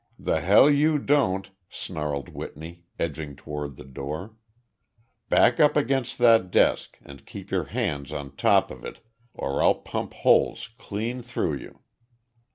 "The hell you don't!" snarled Whitney, edging toward the door. "Back up against that desk and keep your hands on top of it, or I'll pump holes clean through you!"